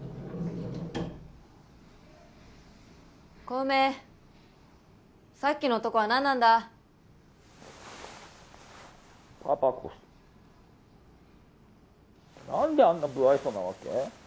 小梅さっきの男は何なんだパパこそ何であんな無愛想なわけ？